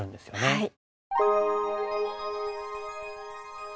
はい。